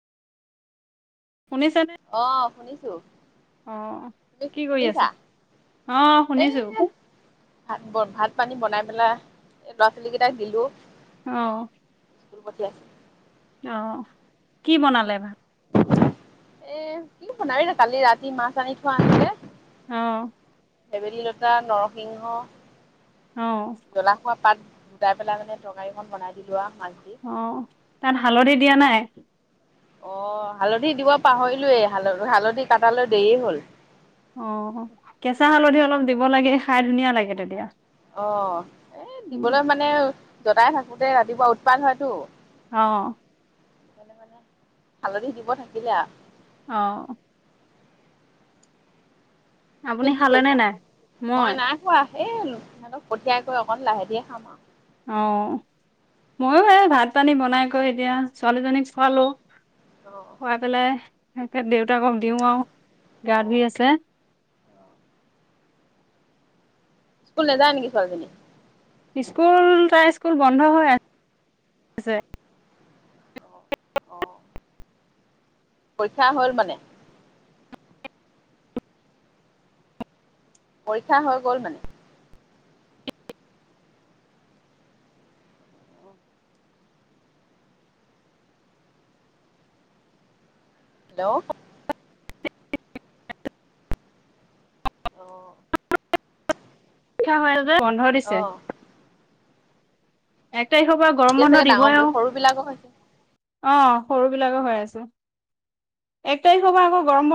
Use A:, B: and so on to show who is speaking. A: শুনিছেনে
B: অ', শুনিছো
A: অহ
B: তুমি
A: কি কৰি আছে
B: শুনিছা
A: অ
B: এই
A: শুনিছো
B: ভাত ব ভাত পানী বনাই পেলাই এ ল'ৰা ছোৱালী কেইটাক দিলো
A: অহ
B: স্কুল পঠিয়াই
A: অ কি বনালে ভাত
B: এ কি বনা এই কালি ৰাতি মাছ আনি থোৱা আছিলে
A: অহ
B: হেবেলী লতা নৰসিংহ
A: অ
B: জ্বলা শোৱা পাত গোটাই পেলাই মানে তৰকাৰীখন বনাই দিলো আৰু। মাছ দি
A: অ তাত হালধি দিয়া নাই?
B: অ' হালধি দিব পাহৰিলোৱেই হাল হালধি কাটালৈ দেৰি হ'ল।
A: অ' কেঁচা হালধি অলপ দিব লাগে খাই ধুনীয়া লাগে তেতিয়া।
B: অঁ এ
A: উম,
B: দিবলৈ মানে দদাই থাকোতে ৰাতিপুৱা উৎপাত হয়তো।
A: অ'
B: সেইকাৰণে মানে হালধি দিব থাকিলে আও।
A: অ'।
B: তুমি
A: আপুনি খালেনে নাই? মই
B: এ সিহঁতক পঠিয়াইকৈ অকন লাহে ধীয়ে খাম আৰু।
A: অ, ময়ো এই ভাত পানী বনাই কৈ এতিয়া ছোৱালীজনীক খোৱালো।
B: আৰু।
A: খোৱাই পেলাই সেই দেউতাকক দিওঁ আৰু। গা ধুই আছে।
B: স্কুল নাযায় নেকি ছোৱালী জনী।
A: স্কুল তাই স্কুল বন্ধ হৈ আ আছে।
B: অ। পৰীক্ষা হ'ল মানে। পৰীক্ষা হৈ গ'ল মানে। হেল্ল'। অঁ।
A: হয়। বন্ধ দিছে।
B: অ'
A: এক তাৰিখৰ পৰা গৰম
B: এতিয়া
A: বান্ধ
B: চাগে ডাঙৰ
A: দিবই আৰু।
B: সৰু বিলাকক হৈছে।
A: অ' সৰু বিলাকে হৈ আছে এক তাৰিখৰ পৰা আকৌ গৰম